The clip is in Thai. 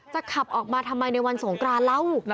ขับออกมาทำไมในวันสงกรานเล่า